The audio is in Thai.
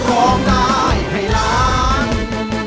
ร้องได้ให้ล้าน